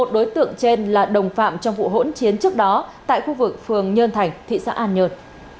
một đối tượng trên là đồng phạm trong vụ hỗn chiến trước đó tại khu vực phường nhơn thành thị xã an nhơn